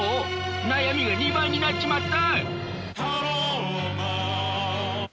悩みが２倍になっちまった！